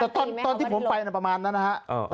ตอนที่ผมไปประมาณนั้นนะฮะ